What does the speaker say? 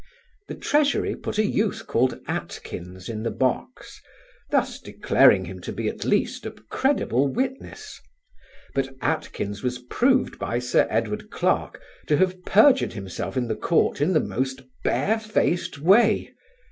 The Treasury put a youth called Atkins in the box, thus declaring him to be at least a credible witness; but Atkins was proved by Sir Edward Clarke to have perjured himself in the court in the most barefaced way.